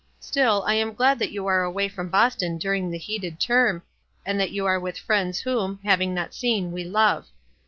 Stili, I am glad that you arc away from Boston during the heated term, and that you are with friends whom, * having not seen, we love.'